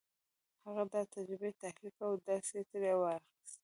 هغه دا تجربې تحليل کړې او درس يې ترې واخيست.